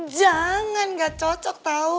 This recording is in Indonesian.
jangan enggak cocok tau